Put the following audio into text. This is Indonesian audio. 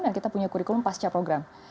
dan kita punya kurikulum pasca program